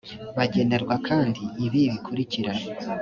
bagenerwa kandi ibi bikurikira